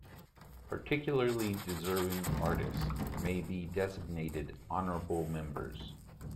Particularly deserving artists may be designated honorable members.